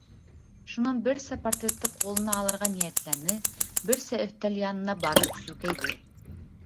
Шунан берсә портретты ҡулына алырға ниәтләне, берсә өҫтәл янына барып сүкәйҙе.